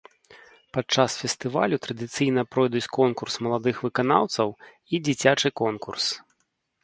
Падчас фестывалю традыцыйна пройдуць конкурс маладых выканаўцаў і дзіцячы конкурс.